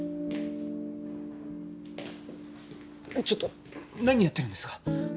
ちょっと何やってるんですか？